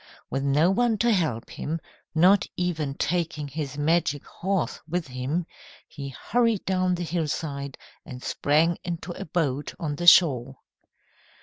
With no one to help him, not even taking his magic horse with him, he hurried down the hillside and sprang into a boat on the shore.